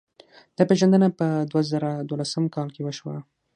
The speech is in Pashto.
دا پېژندنه په دوه زره دولسم کال کې وشوه.